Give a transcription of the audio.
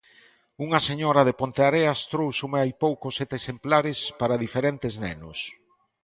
Unha señora de Ponteareas tróuxome hai pouco sete exemplares para diferentes nenos.